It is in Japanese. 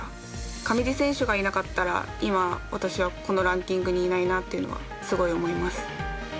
上地選手がいなかったら今、私は、このランキングにいないなっていうのはすごい思います。